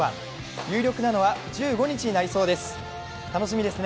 有力なのは１５日になりそうですね。